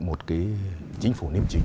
một chính phủ niêm trình